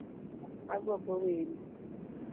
Agombo wendi.